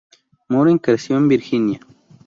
Moren creció en Virginia.